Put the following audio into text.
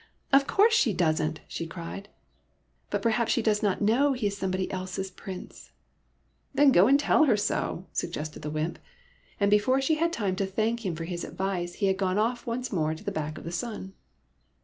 '' Of course she does n't !" she cried. " But perhaps she does not know he is some body else's Prince." 88 SOMEBODY ELSE^S PRINCE " Then go and tell her so/' suggested the wymp ; and before she had time to thank him for his advice he had gone off once more to the back of the sun.